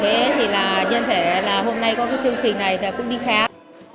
thế thì là nhân thể là hôm nay có cái chương trình này là cũng đi khám